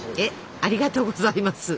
ありがとうございます。